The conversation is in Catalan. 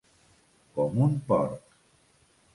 Com un porc.